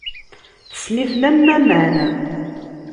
Tessen-iten am waman.